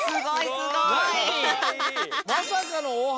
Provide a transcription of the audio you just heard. すごい！